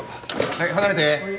はい離れて。